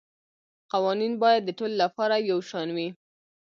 قوانین باید د ټولو لپاره یو شان وي